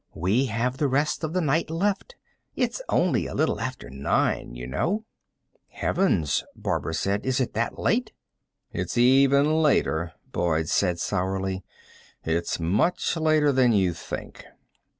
We have the rest of the night left. It's only a little after nine, you know." "Heavens," Barbara said. "Is it that late?" "It's even later," Boyd said sourly. "It's much later than you think."